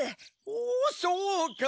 おおそうか！